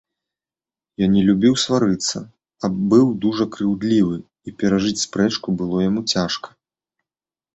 Ён не любіў сварыцца, а быў дужа крыўдлівы, і перажыць спрэчку было яму цяжка.